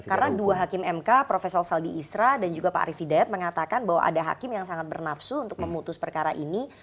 karena dua hakim mk profesor saldi isra dan juga pak arief hidayat mengatakan bahwa ada hakim yang sangat bernafsu untuk memutus perkara ini